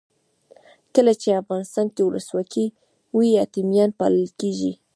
کله چې افغانستان کې ولسواکي وي یتیمان پالل کیږي.